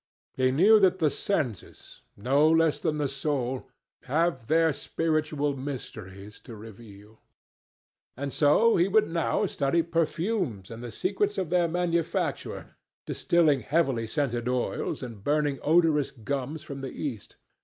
He knew that the senses, no less than the soul, have their spiritual mysteries to reveal. And so he would now study perfumes and the secrets of their manufacture, distilling heavily scented oils and burning odorous gums from the East.